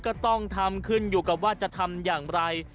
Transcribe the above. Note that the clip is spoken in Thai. ก็ต้องทำขึ้นอยู่กับว่าจะทำอย่างไร